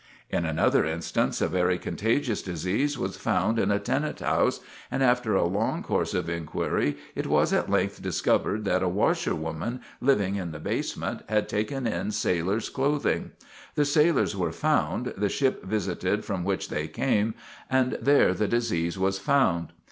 In another instance a very contagious disease was found in a tenant house, and after a long course of inquiry it was at length discovered that a washer woman, living in the basement, had taken in sailors' clothing. The sailors were found, the ship visited from which they came, and there the disease was found.